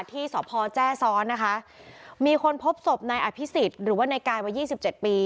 ที่สพแจ้ซ้อนนะคะมีคนพบศพนายอภิษฎหรือว่าในกายวัยยี่สิบเจ็ดปี